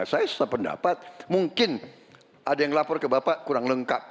saya pendapat mungkin ada yang lapor ke bapak kurang lengkap